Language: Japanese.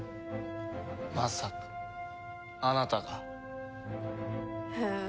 まさかあなたが？うわ。